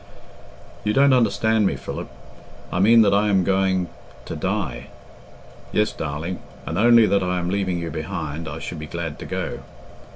"You don't understand me, Philip. I mean that I am going to die. Yes, darling, and, only that I am leaving you behind, I should be glad to go.